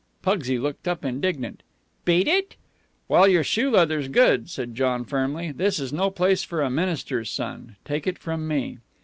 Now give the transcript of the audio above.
Pugsy looked up, indignant. "Beat it?" "While your shoe leather's good," said John firmly. "This is no place for a minister's son. Take it from me."